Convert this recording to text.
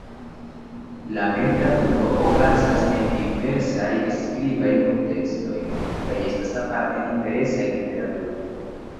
La mem-traduko okazas en diversaj skribaj kuntekstoj kaj estas aparte interesa en literaturo.